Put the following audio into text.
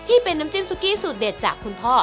ที่เป็นน้ำจิ้มซุกี้สูตรเด็ดจากคุณพ่อ